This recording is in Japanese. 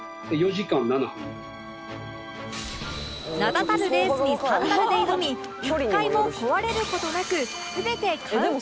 名だたるレースにサンダルで挑み１回も壊れる事なく全て完走しちゃったんです